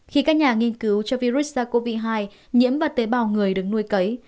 khi các nhà nghiên cứu cho virus sars cov hai nhiễm và tế bào người được nuôi cấy